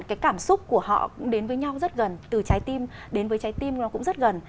cái cảm xúc của họ cũng đến với nhau rất gần từ trái tim đến với trái tim nó cũng rất gần